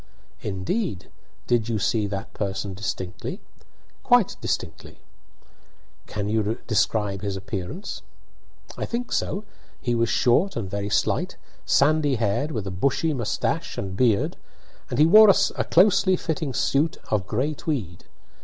"Indeed! Did you see that person distinctly?" "Quite distinctly." "Can you describe his appearance?" "I think so. He was short and very slight, sandy haired, with a bushy moustache and beard, and he wore a closely fitting suit of gray tweed.